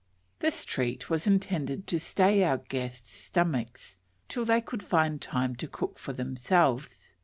This treat was intended to stay our guests' stomachs till they could find time to cook for themselves.